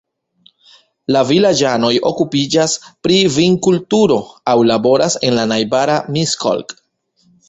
La vilaĝanoj okupiĝas pri vinkulturo aŭ laboras en la najbara Miskolc.